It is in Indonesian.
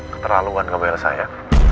keterlaluan kebel saya